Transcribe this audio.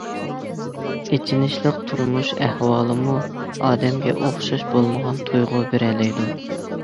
ئېچىنىشلىق تۇرمۇش ئەھۋالىمۇ ئادەمگە ئوخشاش بولمىغان تۇيغۇ بېرەلەيدۇ.